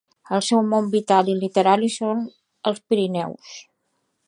El seu món vital i literari són els Pirineus.